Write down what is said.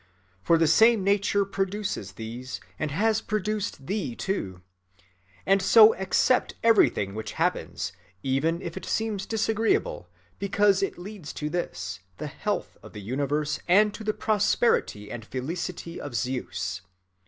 For the same nature produces these, and has produced thee too. And so accept everything which happens, even if it seem disagreeable, because it leads to this, the health of the universe and to the prosperity and felicity of Zeus.